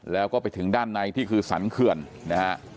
แล้วก็ไปถึงด้านในที่คือสรรเขื่อนนะฮะ